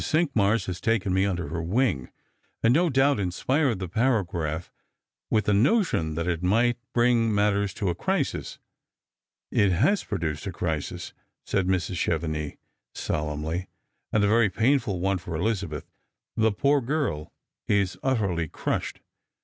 Cinqmars has taken me under her wing, and no doubt inspired the paragraph, with the notion that it might bring matters to a crisis." " It has produced a crisis," said Mrs. Chevenix, solemnly, " and a very painful one for EHzabeth. Ttie poor girl is utterly crushed."